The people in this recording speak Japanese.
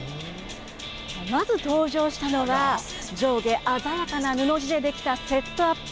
まず登場したのは、上下鮮やかな布地で出来たセットアップ。